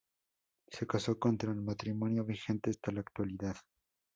Se casó con Tran, matrimonio vigente hasta la actualidad.